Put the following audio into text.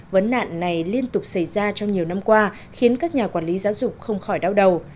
vấn nạn này liên tục xảy ra trong nhiều năm qua khiến các nhà quản lý giáo dục không khỏi đau đầu